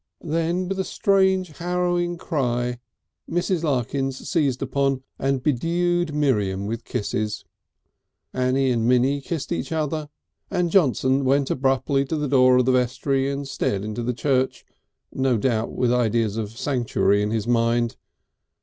Then with a strange harrowing cry Mrs. Larkins seized upon and bedewed Miriam with kisses, Annie and Minnie kissed each other, and Johnson went abruptly to the door of the vestry and stared into the church no doubt with ideas of sanctuary in his mind.